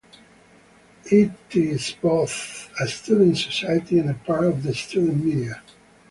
It is both a student society and a part of the student media.